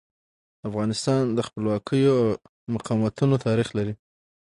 افغانستان د خپلواکیو او مقاومتونو تاریخ لري.